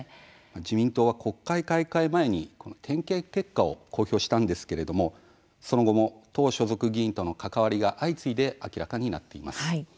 自民党は国会開会前に点検結果を公表したんですがその後も党所属議員との関わりが相次いで明らかになっています。